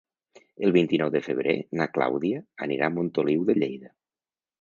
El vint-i-nou de febrer na Clàudia anirà a Montoliu de Lleida.